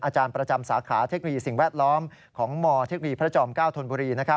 อาจารย์ประจำสาขาเทคโนโลยีสิ่งแวดล้อมของมเทคโนโลยีพระจอม๙ธนบุรี